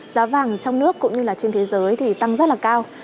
giá vàng trong nước cũng như là trên thế giới thì tăng rất là cao